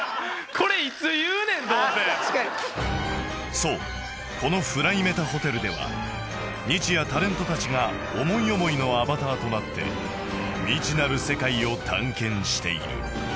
そうこの ＦｌｙＭｅｔａＨＯＴＥＬ では日夜タレントたちが思い思いのアバターとなって未知なる世界を探検している